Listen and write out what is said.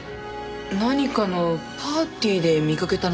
何かのパーティーで見かけたのかしら？